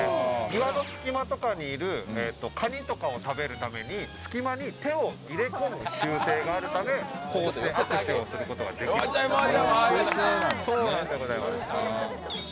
岩の隙間とかにいるカニとかを食べるために隙間に手を入れ込む習性があるためこうして握手をすることができるんです。